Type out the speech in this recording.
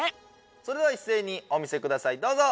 それではいっせいにお見せくださいどうぞ！